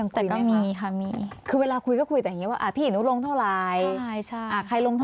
อ่านีมีความติดต่อไว้เลยไหม